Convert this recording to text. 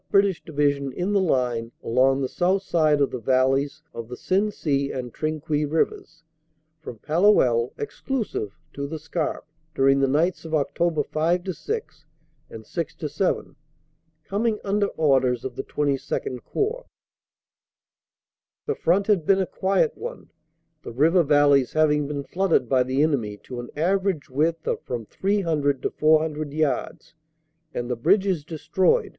British Division in the line along the south side of the valleys of the Sensee and Trinquis Rivers, from Palluel (exclusive) to the Scarpe, during the nights Oct. 5 6 and 6 7, coming under orders of the XXII Corps. "The front had been a quiet one, the river valleys having been flooded by the enemy to an average width of from 300 to 400 yards, and the bridges destroyed.